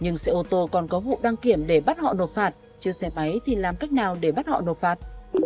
một tù còn có vụ đăng kiểm để bắt họ nộp phạt chứ xe máy thì làm cách nào để bắt họ nộp phạt